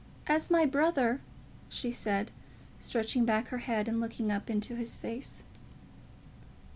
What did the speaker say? "As my brother," she said, stretching back her head and looking up into his face.